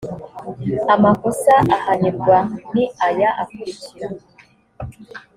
amakosa ahanirwa ni aya akurikira